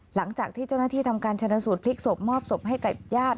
หลังจากที่เจ้าหน้าที่ทำการชนะสูตรพลิกศพมอบศพให้กับญาติ